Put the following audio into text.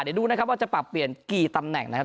เดี๋ยวดูนะครับว่าจะปรับเปลี่ยนกี่ตำแหน่งนะครับ